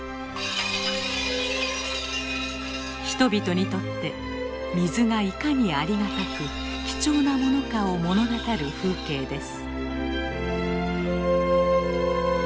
人々にとって水がいかにありがたく貴重なものかを物語る風景です。